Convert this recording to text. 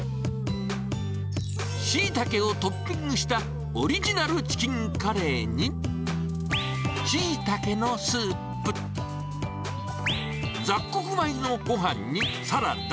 シイタケをトッピングしたオリジナルチキンカレーに、シイタケのスープ、雑穀米のごはんにサラダ。